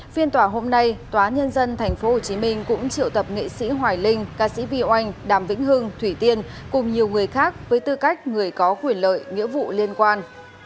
phiên tòa hôm nay tnthhcm cũng triệu tập nghệ sĩ hoài linh ca sĩ vy oanh đàm vĩnh hưng thủy tiên cùng nhiều người khác với tư cách người có quyền lợi nghĩa vụ liên quan